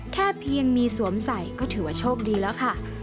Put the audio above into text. แค่เพียงมีสวมใส่ก็ถือว่าโชคดีแล้วค่ะ